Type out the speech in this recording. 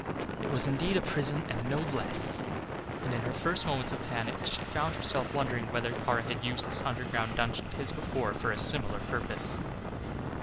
It was indeed a prison and no less, and in her first moments of panic she found herself wondering whether Kara had used this underground dungeon of his before for a similar purpose.